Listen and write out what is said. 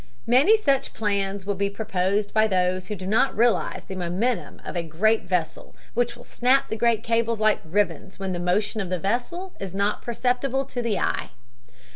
Many such plans will be proposed by those who do not realize the momentum of a great vessel which will snap great cables like ribbons, when the motion of the vessel is not perceptible to the eye.